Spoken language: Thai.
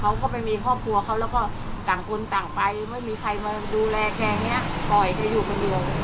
เขาก็ไปมีครอบครัวเขาแล้วก็ต่างคนต่างไปไม่มีใครมาดูแลแค่เนี้ย